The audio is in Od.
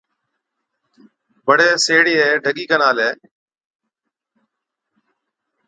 بڙي سيهڙِيئَي ڍڳِي کن آلَي،